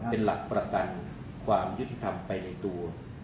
เป็นหลักประกันความยุติธรรมไปในตัว